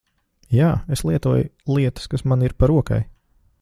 Jā, es lietoju lietas kas man ir pa rokai.